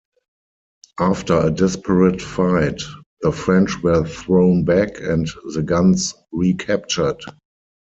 After a desperate fight the French were thrown back and the guns recaptured.